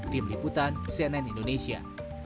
tim liputan cnn indonesia